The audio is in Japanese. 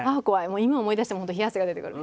もう今思い出しても本当冷や汗が出てくる。